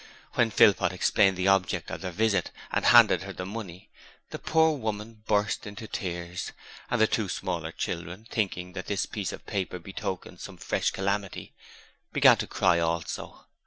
When Philpot explained the object of their visit and handed her the money, the poor woman burst into tears, and the two smaller children thinking that this piece of paper betokened some fresh calamity began to cry also.